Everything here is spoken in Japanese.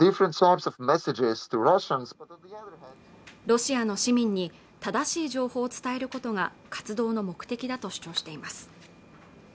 ロシアの市民に正しい情報を伝えることが活動の目的だと主張しています